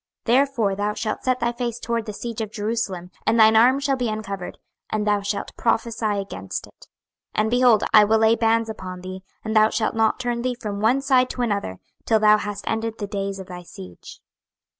26:004:007 Therefore thou shalt set thy face toward the siege of Jerusalem, and thine arm shall be uncovered, and thou shalt prophesy against it. 26:004:008 And, behold, I will lay bands upon thee, and thou shalt not turn thee from one side to another, till thou hast ended the days of thy siege.